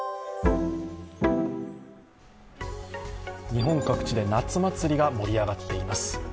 日本各地で夏祭りが盛り上がっています。